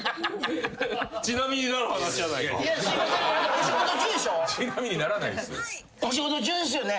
お仕事中ですよね？